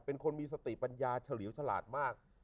เป็นคนมีสติปัญญาเฉลี่ยวฉลาดมาก